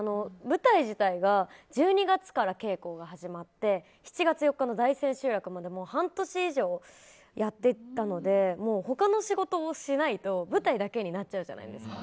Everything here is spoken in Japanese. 舞台自体が、１２月から稽古が始まって７月４日の大千秋楽まで半年以上やっていたので他の仕事をしないと舞台だけになっちゃうじゃないですか。